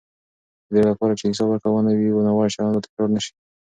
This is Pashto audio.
د دې لپاره چې حساب ورکونه وي، ناوړه چلند به تکرار نه شي.